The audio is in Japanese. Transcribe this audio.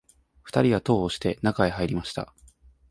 二人は戸を押して、中へ入りました